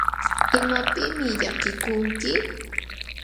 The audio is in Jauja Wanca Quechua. ¿Imapiqmi llakikunki?